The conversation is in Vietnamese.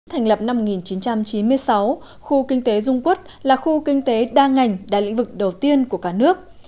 thành lập năm một nghìn chín trăm chín mươi sáu khu kinh tế dung quốc là khu kinh tế đa ngành đa lĩnh vực đầu tiên của cả nước